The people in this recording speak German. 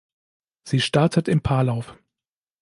Sie startet im Paarlauf.